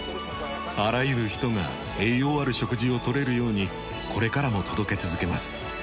あらゆる人が栄養ある食事を取れるようにこれからも届け続けます。